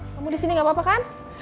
kamu di sini gak apa apa kan